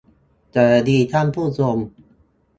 สวัสดีท่านผู้ชม